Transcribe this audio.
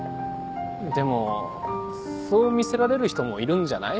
でも素を見せられる人もいるんじゃない？